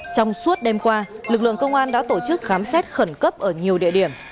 trong suốt đêm qua lực lượng công an đã tổ chức khám xét khẩn cấp ở nhiều địa điểm